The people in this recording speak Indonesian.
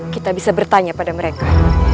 kita bisa bertanya pada mereka